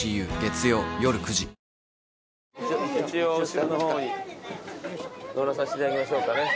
後ろの方に乗らさせていただきましょうかね。